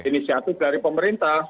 inisiatif dari pemerintah